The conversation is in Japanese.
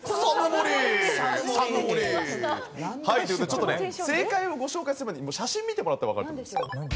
ちょっとね正解をご紹介する前に写真見てもらったらわかると思うんです。